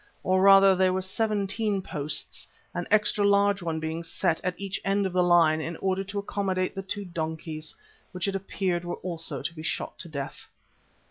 Or rather there were seventeen posts, an extra large one being set at each end of the line in order to accommodate the two donkeys, which it appeared were also to be shot to death.